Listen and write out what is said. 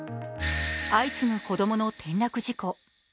相次ぐ子供の転落事故。